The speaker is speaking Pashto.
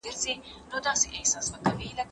معنوي کلتور د مادي کلتور په پرتله ارزښتمن ګڼل کیږي.